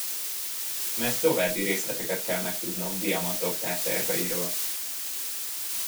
Mert további részleteket kell megtudnom Diamant Oktáv terveiről.